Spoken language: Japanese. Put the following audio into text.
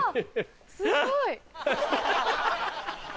すごい！